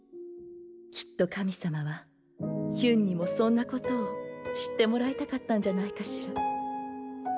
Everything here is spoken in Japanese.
きっと神様はヒュンにもそんなことを知ってもらいたかったんじゃないかしら。